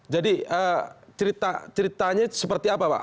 jadi ceritanya seperti apa pak